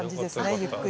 ゆっくり。